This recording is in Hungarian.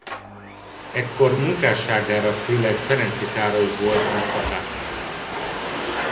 Ekkor munkásságára főleg Ferenczy Károly volt nagy hatással.